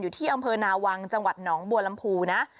ที่อำเภอนาวังจังหวัดหนองบัวลำพูนะ